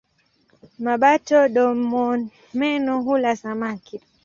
Mabata-domomeno hula samaki.